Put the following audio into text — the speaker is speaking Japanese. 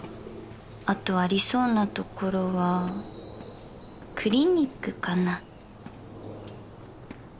あとありそうな所はクリニックかな